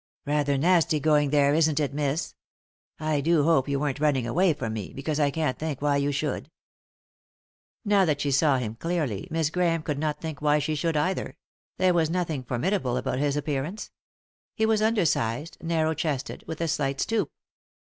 " Rather nasty going there, isn't it, miss ? I do hope you weren't running away from me, because I can't think why you should." Now that she saw him clearly Miss Grahame could not think why she should, either ; there was nothing formidable about his appearance. He was undersized, narrow chested, with a slight stoop.